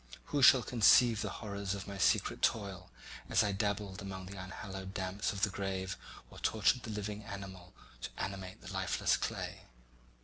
Who shall conceive the horrors of my secret toil as I dabbled among the unhallowed damps of the grave or tortured the living animal to animate the lifeless clay?